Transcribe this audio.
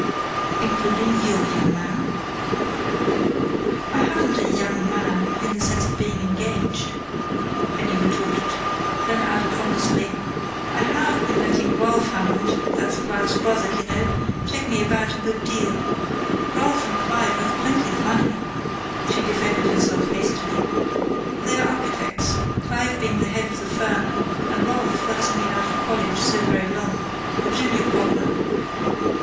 "Including your young man?" "I haven't a 'young man,' in the sense of being engaged," Penny retorted, then added honestly: "I have been letting Ralph Hammond that's Clive's brother, you know take me about a good deal.... Ralph and Clive have plenty of money," she defended herself hastily. "They are architects, Clive being the head of the firm and Ralph, who hasn't been out of college so very long, a junior partner.